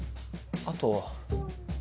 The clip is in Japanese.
あとは。